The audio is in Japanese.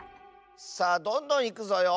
さあどんどんいくぞよ。